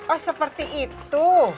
oh seperti itu